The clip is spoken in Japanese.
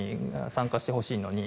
参加してほしいのに。